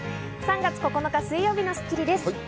３月９日、水曜日の『スッキリ』です。